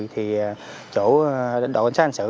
thì chỗ đồng xã hành sự